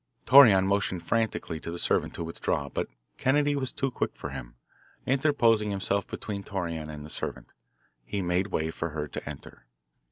Torreon motioned frantically to the servant to withdraw, but Kennedy was too quick for him. Interposing himself between Torreon and the servant, he made way for her to enter.